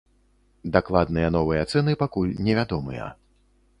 Дакладныя новыя цэны пакуль невядомыя.